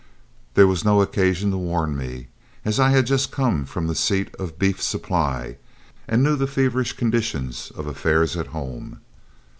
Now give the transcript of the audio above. There was no occasion to warn me, as I had just come from the seat of beef supply, and knew the feverish condition of affairs at home.